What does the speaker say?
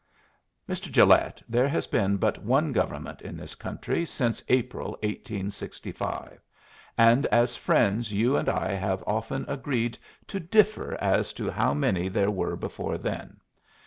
"Mr. Gilet, there has been but one government in this country since April, 1865, and as friends you and I have often agreed to differ as to how many there were before then.